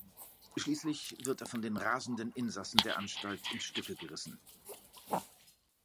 Schließlich wird er von den rasenden Insassen der Anstalt in Stücke gerissen.